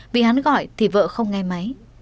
vì hắn gọi thì vợ không nghe máy